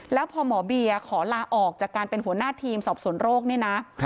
แล้วพอหมอเบียขอลาออกจากการเป็นหัวหน้าทีมสอบสวนโรคเนี่ยนะ